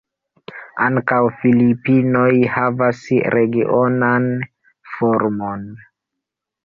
Ankaŭ Filipinoj havas regionan formon.